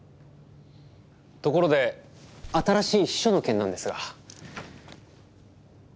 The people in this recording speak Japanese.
ところで新しい秘書の件なんですが。